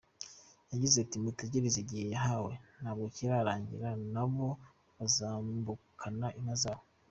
Yagize ati “Mutegereze igihe bahawe ntabwo kirarangira, na bo bazambukana inka zabo.